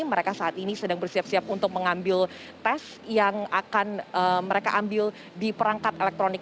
mereka saat ini sedang bersiap siap untuk mengambil tes yang akan mereka ambil di perangkat elektronik